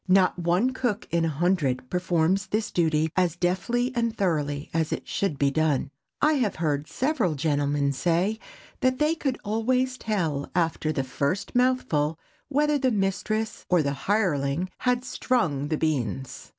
Not one cook in a hundred performs this duty as deftly and thoroughly as it should be done. I have heard several gentlemen say that they could always tell, after the first mouthful, whether the mistress or the hireling had "strung" the beans.